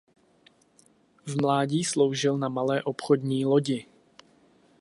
V mládí sloužil na malé obchodní lodi.